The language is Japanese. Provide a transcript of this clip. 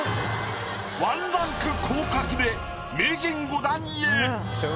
１ランク降格で名人５段へ。